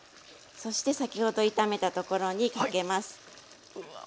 そして先ほど炒めたところにかけます。